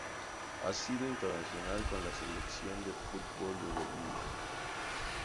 Ha sido internacional con la Selección de fútbol de Bolivia.